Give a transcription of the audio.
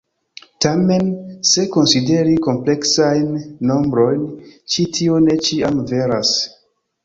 Tamen se konsideri kompleksajn nombrojn, ĉi tio ne ĉiam veras.